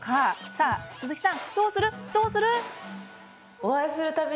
さあ、鈴木さん、どうする？